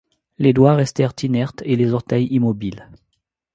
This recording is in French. Les doigts restèrent inertes et les orteils immobiles.